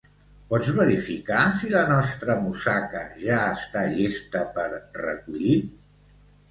Pots verificar si la nostra mussaca ja està llesta per recollir?